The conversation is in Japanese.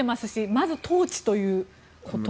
まず統治ということ。